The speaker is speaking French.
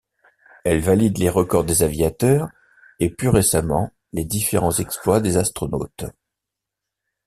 Elle valide les records des aviateurs et, plus récemment, les différents exploits des astronautes.